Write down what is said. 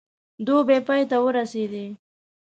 دوبی پای ته ورسېدی.